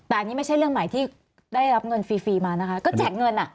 แต่อันนี้ไม่ใช่เรื่องใหม่ที่ได้รับเงินฟรีมานะคะก็แจกเงินอ่ะ